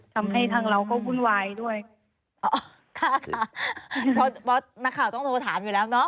ทำให้ทางเราก็วุ่นวายด้วยอ๋อค่ะเพราะนักข่าวต้องโทรถามอยู่แล้วเนอะ